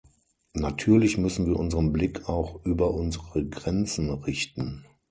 Natürlich müssen wir unseren Blick auch über unsere Grenzen richten.